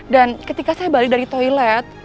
dan ketika saya balik dari toilet